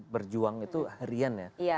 berjuang itu harian ya